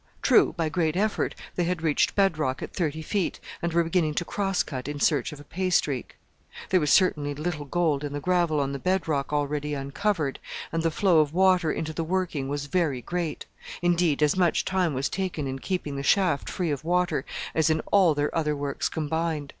True, by great effort they had reached bed rock at thirty feet, and were beginning to cross cut in search of a pay streak. There was certainly little gold in the gravel on the bed rock already uncovered, and the flow of water into the working was very great: indeed, as much time was taken in keeping the shaft free of water as in all their other works combined.